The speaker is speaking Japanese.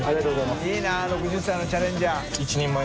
いい６０歳のチャレンジャー。